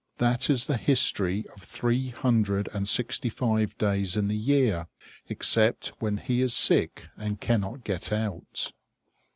That is the history of three hundred and sixty five days in the year, except when he is sick and cannot get out.